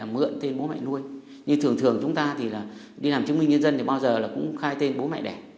mượn tên bố mẹ nuôi như thường thường chúng ta đi làm chứng minh nhân dân thì bao giờ cũng khai tên bố mẹ đẻ